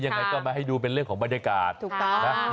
ยังไงก็มาให้ดูเป็นเรื่องของบรรยากาศ